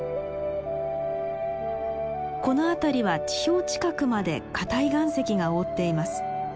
この辺りは地表近くまで硬い岩石が覆っています。